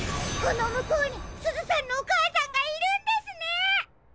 このむこうにすずさんのおかあさんがいるんですね！